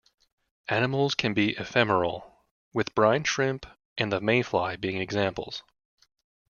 Animals can be ephemeral, with brine shrimp and the mayfly being examples.